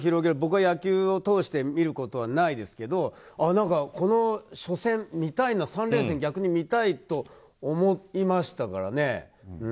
僕は野球を通してみることはないですけどこの初戦、見たいな３連戦を逆に見たいと思いましたからね。